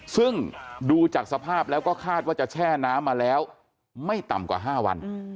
ซึ่งดูจากสภาพแล้วก็คาดว่าจะแช่น้ำมาแล้วไม่ต่ำกว่า๕วัน